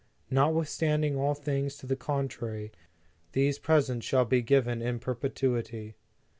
Notwithstanding all things to the contrary, these presents shall be in perpetuity.